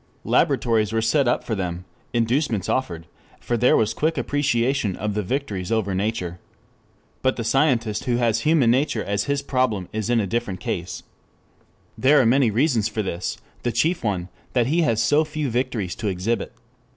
Laboratories were set up for them, inducements offered, for there was quick appreciation of the victories over nature. But the scientist who has human nature as his problem is in a different case. There are many reasons for this: the chief one, that he has so few victories to exhibit.